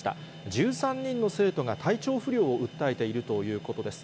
１３人の生徒が体調不良を訴えているということです。